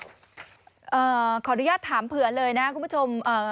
ขออนุญาตถามเผื่อเลยนะคุณผู้ชมเอ่อ